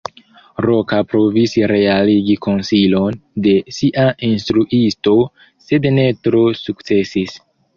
Roka provis realigi konsilon de sia instruisto, sed ne tro sukcesis.